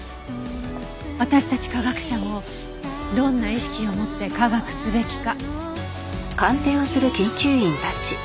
私たち科学者もどんな意識を持って科学すべきか。